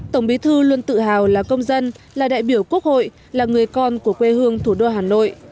tổng bí thư luôn tự hào là công dân là đại biểu quốc hội là người con của quê hương thủ đô hà nội